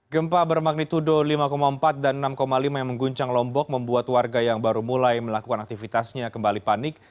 gempa bermagnitudo lima empat dan enam lima yang mengguncang lombok membuat warga yang baru mulai melakukan aktivitasnya kembali panik